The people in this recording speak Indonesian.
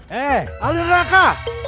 hei ada neraka